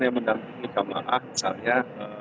yang mendampingi jemaah misalnya